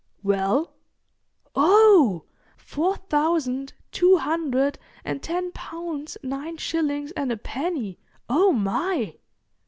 "Well?" "Oh! Four thousand two hundred and ten pounds nine shillings and a penny! Oh my!"